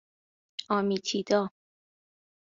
آمیتیدا